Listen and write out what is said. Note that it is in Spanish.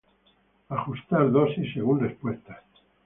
Ajustar dosis según respuesta.